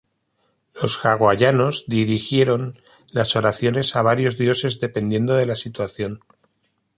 Los hawaianos dirigieron las oraciones a varios dioses dependiendo de la situación.